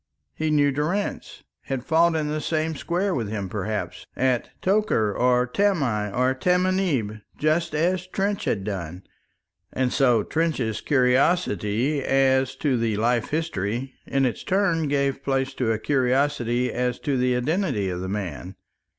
He knew Durrance, had fought in the same square with him, perhaps, at Tokar, or Tamai, or Tamanieb, just as Trench had done! And so Trench's curiosity as to the life history in its turn gave place to a curiosity as to the identity of the man.